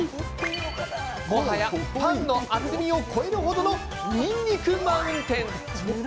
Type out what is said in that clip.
もはや、パンの厚みを超える程のにんにくマウンテン。